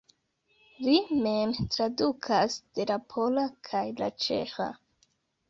Li mem tradukas de la pola kaj la ĉeĥa.